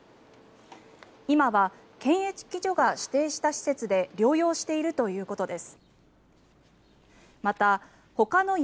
今は検疫所が指定した施設で療養しているということです。